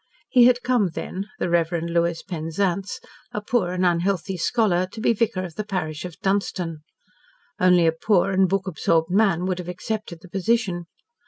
He had come, then the Reverend Lewis Penzance a poor and unhealthy scholar, to be vicar of the parish of Dunstan. Only a poor and book absorbed man would have accepted the position.